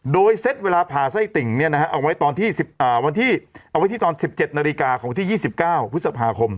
โดยเซ็ตเวลาผ่าไส้ติ่งเอาไว้ที่ตอน๑๗นของที่๒๙พฤษภาคม